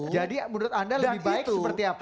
jadi menurut anda lebih baik seperti apa